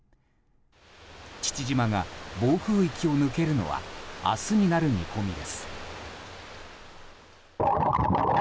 父島が暴風域を抜けるのは明日になる見込みです。